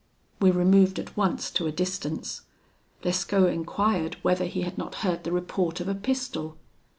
"We removed at once to a distance. Lescaut enquired whether he had not heard the report of a pistol?